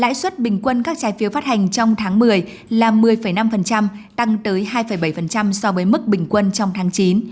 lãi suất bình quân các trái phiếu phát hành trong tháng một mươi là một mươi năm tăng tới hai bảy so với mức bình quân trong tháng chín